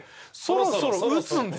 そろそろ打つんですよ。